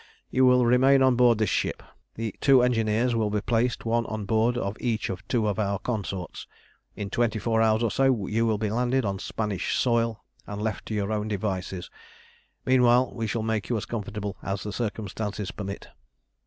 "You will remain on board this ship. The two engineers will be placed one on board of each of two of our consorts. In twenty four hours or so you will be landed on Spanish soil and left to your own devices. Meanwhile we shall make you as comfortable as the circumstances permit."